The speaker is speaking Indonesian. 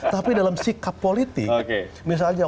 tapi dalam sikap politik misalnya